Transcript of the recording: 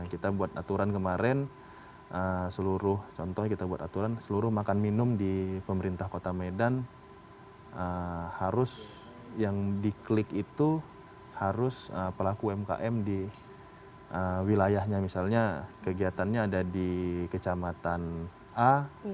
kita buat aturan kemarin seluruh contoh kita buat aturan seluruh makan minum di pemerintah kota medan harus yang diklik itu harus pelaku umkm di wilayahnya misalnya kegiatannya ada di kecamatan a